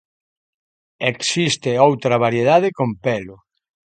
Existe outra variedade con pelo.